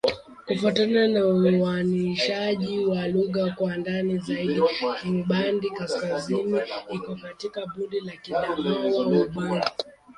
Kufuatana na uainishaji wa lugha kwa ndani zaidi, Kingbandi-Kaskazini iko katika kundi la Kiadamawa-Ubangi.